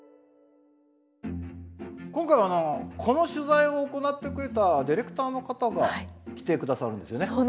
今回はこの取材を行ってくれたディレクターの方が来てくださるんですよね？